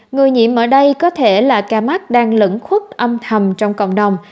người nhiễm ở đây có thể là ca mắc đang lẫn khuất âm thầm trong cộng đồng